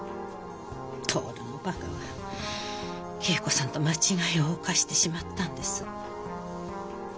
徹のバカは桂子さんと間違いを犯してしまったんです。